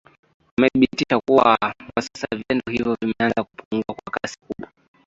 wamethibitisha kuwa kwa sasa vitendo hivyo vimeanza kupungua kwa kasi kubwa